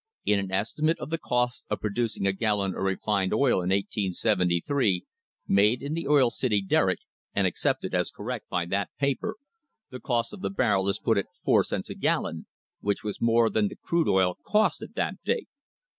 In an estimate of the cost of producing a gallon of refined oil in 1873, made in the Oil City Derrick and accepted as correct by that paper, the cost of the barrel is put at four cents a gallon, which was more than the crude oil cost at that date.